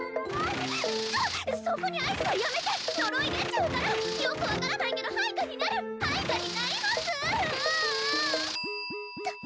ちょっそこにアイスはやめて呪い出ちゃうからよく分からないけど配下になる配下になりますたった